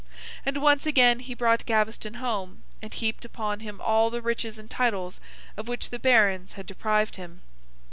And once again he brought Gaveston home, and heaped upon him all the riches and titles of which the Barons had deprived him.